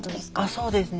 そうですね。